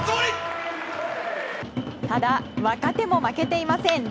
ただ若手も負けてません。